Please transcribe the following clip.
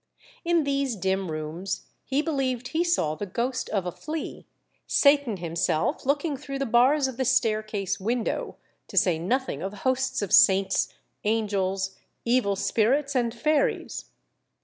In these dim rooms he believed he saw the ghost of a flea, Satan himself looking through the bars of the staircase window, to say nothing of hosts of saints, angels, evil spirits, and fairies.